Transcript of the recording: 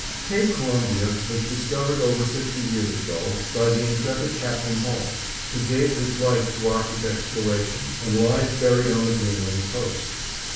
Cape Columbia was discovered over fifty years ago, by the intrepid Captain Hall, who gave his life to Arctic exploration, and lies buried on the Greenland coast.